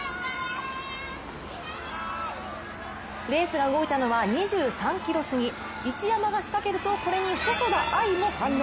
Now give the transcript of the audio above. レースが動いたのは２３ｋｍすぎ一山が仕掛けるとこれに細田あいも反応。